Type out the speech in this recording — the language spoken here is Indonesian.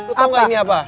lo tau gak ini apa